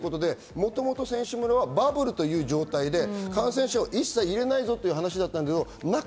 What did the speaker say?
もともと選手村はバブルという状態で、感染者を一切入れないぞということだったんです。